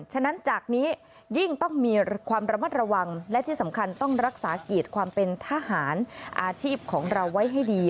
ฉะนั้นจากนี้ยิ่งต้องมีความระมัดระวังและที่สำคัญต้องรักษาเกียรติความเป็นทหารอาชีพของเราไว้ให้ดี